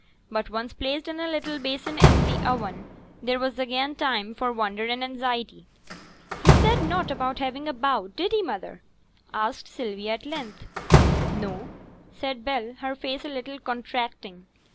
But once placed in a little basin in the oven, there was again time for wonder and anxiety. 'He said nought about having a bout, did he, mother?' asked Sylvia at length. 'No,' said Bell, her face a little contracting.